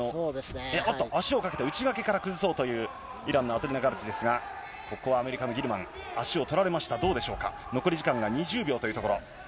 おっと、足をかけて内掛けから崩そうというイランのアトリナガルチですが、ここはアメリカのギルマン、足を取られました、残り時間が２０秒というところ。